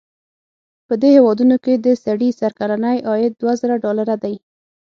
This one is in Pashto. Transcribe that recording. په دې هېوادونو کې د سړي سر کلنی عاید دوه زره ډالره دی.